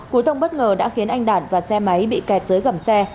cúi thông bất ngờ đã khiến anh đạt và xe máy bị kẹt dưới gầm xe